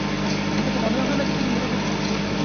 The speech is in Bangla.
দেখে তো মনেই হয় না যে তুমি ইউরোপে থেকেছ।